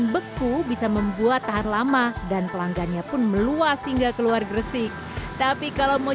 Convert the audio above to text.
beku bisa membuat tahan lama dan pelanggannya pun meluas hingga keluar gresik tapi kalau mau